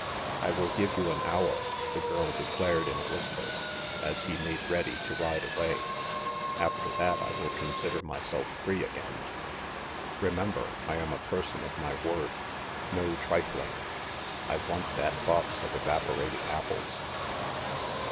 "I will give you an hour," the girl declared in a whisper, as he made ready to ride away. "After that, I will consider myself free again. Remember, I am a person of my word. No trifling. I want that box of evaporated apples."